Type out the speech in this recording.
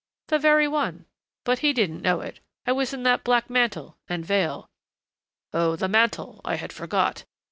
"The very one. But he didn't know it I was in that black mantle and veil." "Oh, the mantle, I had forgot.